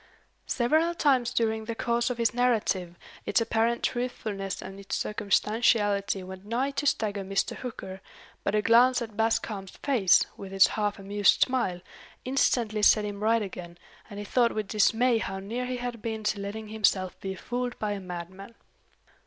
Several times during the course of his narrative, its apparent truthfulness and its circumstantiality went nigh to stagger Mr. Hooker; but a glance at Bascombe's face, with its half amused smile, instantly set him right again, and he thought with dismay how near he had been to letting himself be fooled by a madman.